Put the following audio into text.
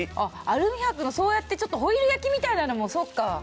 アルミ箔のそうやってちょっとホイル焼きみたいなのもそっか。